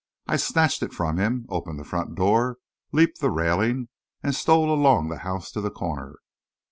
I snatched it from him, opened the front door, leaped the railing, and stole along the house to the corner.